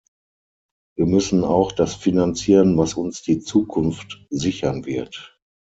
Wir müssen auch das finanzieren, was uns die Zukunft sichern wird.